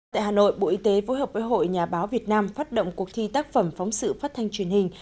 tại hà nội bộ y tế phối hợp với hội nhà báo việt nam phát động cuộc thi tác phẩm phóng sự phát thanh truyền hình